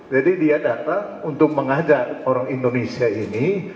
jadi dia datang untuk mengajak orang indonesia ini